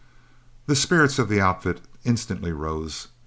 The spirits of the outfit instantly rose.